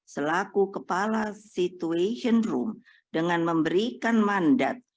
selaku kepala situation room dengan memberikan mandat